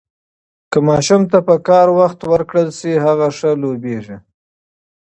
که ماشوم ته پکار وخت ورکړل شي، هغه ښه لوییږي.